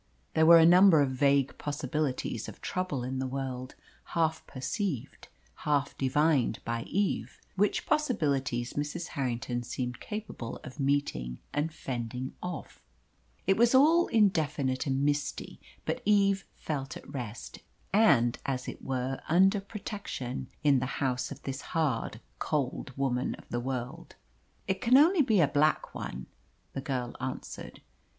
There were a number of vague possibilities of trouble in the world, half perceived, half divined by Eve; which possibilities Mrs. Harrington seemed capable of meeting and fending off. It was all indefinite and misty, but Eve felt at rest, and, as it were, under protection, in the house of this hard, cold woman of the world. "It can only be a black one," the girl answered.